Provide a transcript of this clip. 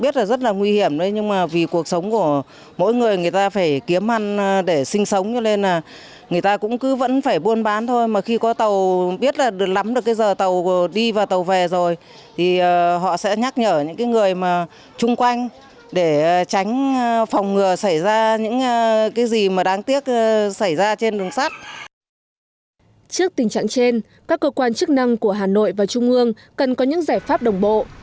trước tình trạng trên các cơ quan chức năng của hà nội và trung ương cần có những giải pháp đồng bộ